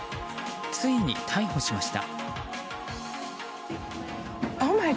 ついに逮捕しました。